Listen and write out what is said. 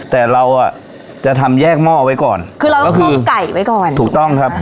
แต่เราอ่ะจะทำแยกหม้อไว้ก่อนคือเราก็คือไก่ไว้ก่อนถูกต้องครับ